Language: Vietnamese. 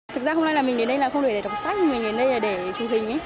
thực ra hôm nay mình đến đây là không để đọc sách mình đến đây là để chụp hình